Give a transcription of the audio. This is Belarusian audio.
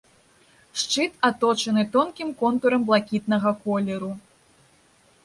Шчыт аточаны тонкім контурам блакітнага колеру.